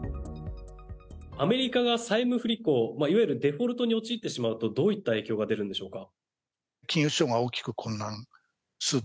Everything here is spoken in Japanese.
アメリカが債務不履行いわゆるデフォルトに陥ってしまうとどういった影響が出るんでしょうか。